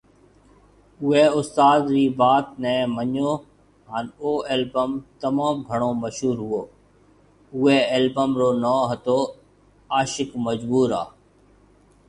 اوئي استاد ري بات ني مڃيو ھان او البم تموم گھڻو مشھور ھوئو اوئي البم رو نون ھتو عاشق مجبور آ